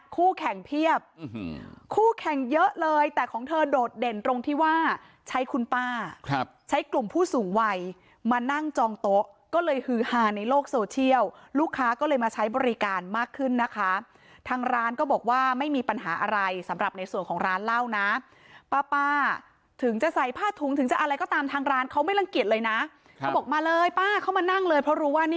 คู่แข่งเพียบคู่แข่งเยอะเลยแต่ของเธอโดดเด่นตรงที่ว่าใช้คุณป้าใช้กลุ่มผู้สูงวัยมานั่งจองโต๊ะก็เลยฮือฮาในโลกโซเชียลลูกค้าก็เลยมาใช้บริการมากขึ้นนะคะทางร้านก็บอกว่าไม่มีปัญหาอะไรสำหรับในส่วนของร้านเหล้านะป้าป้าถึงจะใส่ผ้าถุงถึงจะอะไรก็ตามทางร้านเขาไม่รังเกียจเลยนะเขาบอกมาเลยป้าเข้ามานั่งเลยเพราะรู้ว่านี่